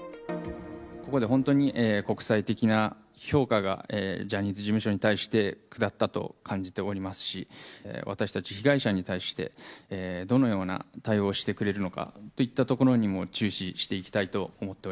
ここで本当に国際的な評価がジャニーズ事務所に対して下ったと感じておりますし、私たち被害者に対して、どのような対応をしてくれるのかといったところにも注視していき